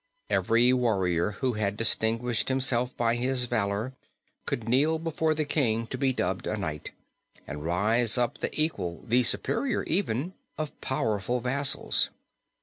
Every warrior who had distinguished himself by his valor could kneel before the king to be dubbed a knight, and rise up the equal, the superior even, of powerful vassals.